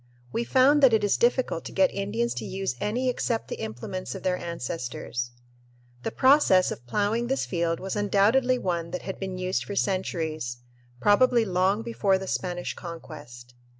We found that it is difficult to get Indians to use any except the implements of their ancestors. The process of "ploughing" this field was undoubtedly one that had been used for centuries, probably long before the Spanish Conquest.